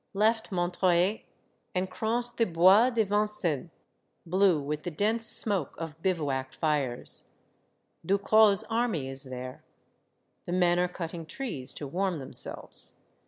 Left Montreuil, and crossed the Bois de Vin cennes, blue with the dense smoke of bivouac fires. Ducrot's army is there. The men are cutting trees to warm themselves.